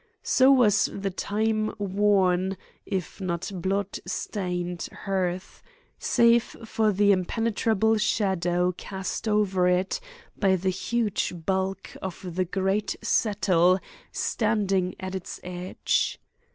So was the time worn, if not blood stained hearth, save for the impenetrable shadow cast over it by the huge bulk of the great settle standing at its edge.